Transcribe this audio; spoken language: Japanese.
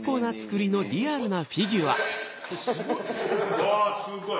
うわすごい。